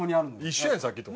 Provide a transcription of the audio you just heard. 一緒やんさっきと。